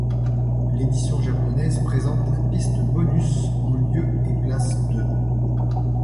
L'édition japonaise présente la piste bonus ' en lieu et place de '.